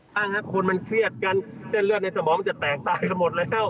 ทั้งคนมันเครียดกันเส้นเลือดในสมองจะแตกตายกันหมดแล้ว